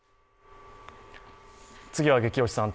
次は「ゲキ推しさん」